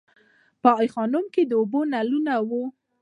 په ای خانم کې د اوبو نلونه وو